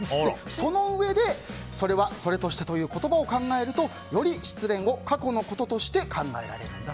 そのうえでそれはそれとしてという言葉を考えるとより失恋を過去のこととして考えられるそうです。